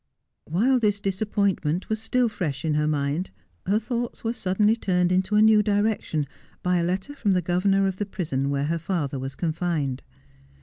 While this disappointment was still fresh in her mind her thoughts were suddenly turned into a new direction by a letter from the governor of the prison where her father was confined.